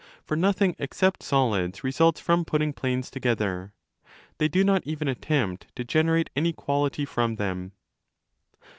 For nothing except solids results from putting planes together: they do not even attempt to generate any quality from them.